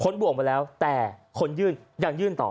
บ่วงไปแล้วแต่คนยื่นยังยื่นต่อ